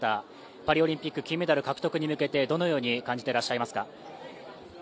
パリオリンピック金メダル獲得に向けてどのように感じてらっしゃいますか。